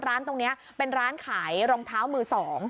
ร้านตรงนี้เป็นร้านขายรองเท้ามือ๒